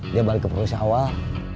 dia balik ke proses awal